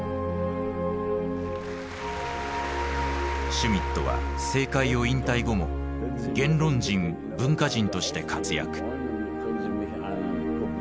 シュミットは政界を引退後も言論人文化人として活躍。